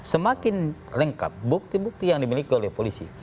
semakin lengkap bukti bukti yang dimiliki oleh polisi